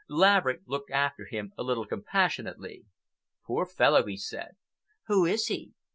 Laverick looked after him a little compassionately. "Poor fellow," he said. "Who is he?"